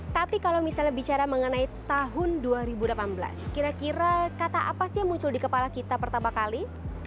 tapi kalau misalnya bicara mengenai tahun dua ribu delapan belas kira kira kata apa sih yang muncul di kepala kita pertama kali